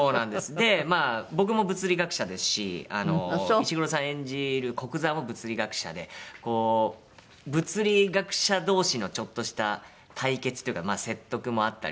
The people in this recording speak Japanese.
でまあ僕も物理学者ですし石黒さん演じる古久沢も物理学者でこう物理学者同士のちょっとした対決というか説得もあったりとか。